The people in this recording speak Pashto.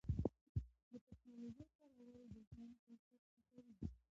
د ټکنالوژۍ کارول د ژوند کیفیت ښه کوي.